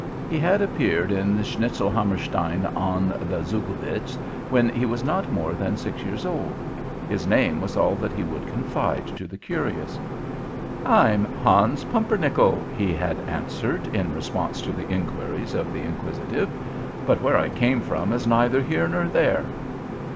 He had appeared in Schnitzelhammerstein on the Zugvitz when he was not more than six years old. His name was all that he would confide to the curious. "I'm Hans Pumpernickel," he had answered, in response to the inquiries of the inquisitive. "But where I came from is neither here nor there."